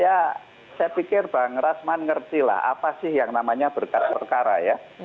ya saya pikir bang rasman ngerti lah apa sih yang namanya berkas perkara ya